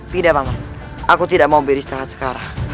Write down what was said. tidak mama aku tidak mau beristirahat sekarang